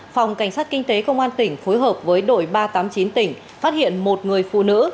phòng cảnh sát kinh tế công an tỉnh phối hợp với đội ba trăm tám mươi chín tỉnh phát hiện một người phụ nữ